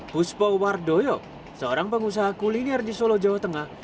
puspo wardoyo seorang pengusaha kuliner di solo jawa tengah